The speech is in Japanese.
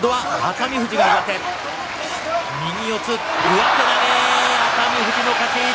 上手投げ、熱海富士の勝ち。